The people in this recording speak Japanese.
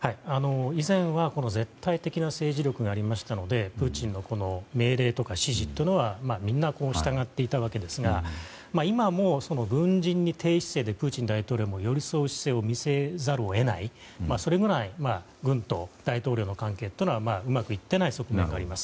以前は絶対的な政治力がありましたのでプーチンの命令とか指示というのはみんな従っていたわけですが今はもう、軍人に低姿勢でプーチン大統領も寄り添う姿勢を見せざるを得ないそれぐらい軍と大統領の関係というのはうまくいっていない側面があります。